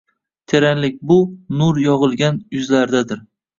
Teranlik bu — nur yog’ilgan yuzlardadir